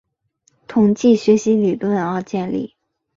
统计学习理论而建立。